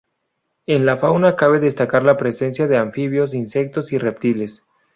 En la fauna cabe destacar la presencia de anfibios, insectos y reptiles.